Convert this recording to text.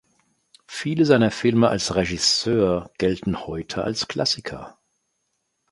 Viele seiner Filme als Regisseur gelten heute als Klassiker.